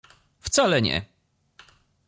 Wcale nie.